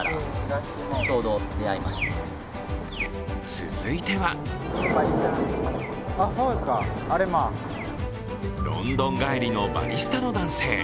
続いてはロンドン帰りのバリスタの男性。